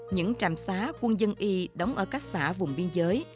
những trạm xá quân dân y đóng ở các xã vùng biên giới